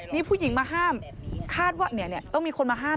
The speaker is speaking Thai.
มีผู้หญิงมาห้ามคาดว่าต้องมีคนมาห้าม